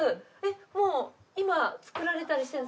もう今作られたりしてる。